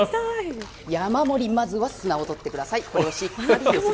山盛り、まずは砂を取ってください。